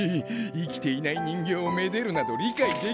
生きていない人形をめでるなど理解できんな。